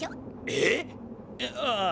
ええ⁉ああ